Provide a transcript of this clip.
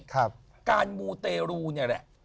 การมูเตรูเนี่ยแหละ